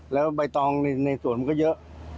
แล้วใบตองในสวนมันก็เยอะ